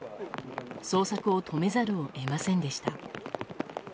捜索を止めざるを得ませんでした。